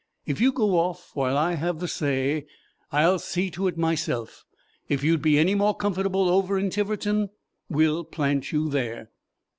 "If you go off while I have the say, I'll see to it myself. If you'd be any more comfortable over in Tiverton, we'll plant you there."